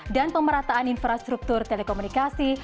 dan pemerataan infrastruktur telekomunikasi